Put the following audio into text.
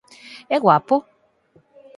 É guapo?